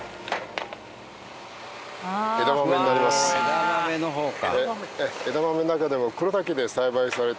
枝豆の方か。